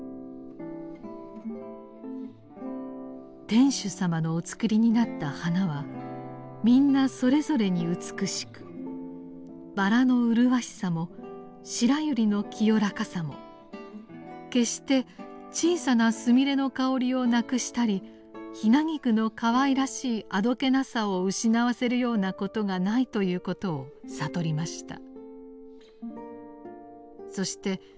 「天主様のお創りになった花はみんなそれぞれに美しく薔薇の麗しさも白百合の清らかさも決して小さな菫の薫りをなくしたり雛菊の可愛らしいあどけなさを失わせるようなことがないということを悟りました」。